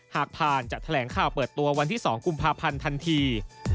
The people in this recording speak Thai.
หากผ่านจะแถลงข่าวเปิดตัววันที่๒กุมภาพันธ์ทันที